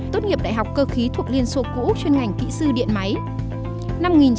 tốt nghiệp đại học cơ khí thuộc liên xô cũ chuyên ngành kỹ sư điện máy